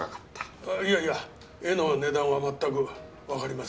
ああいやいや絵の値段は全くわかりませんので。